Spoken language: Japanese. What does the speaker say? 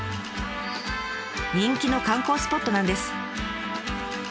人気の観光スポットなんです。